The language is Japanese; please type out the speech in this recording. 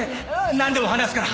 なんでも話すから！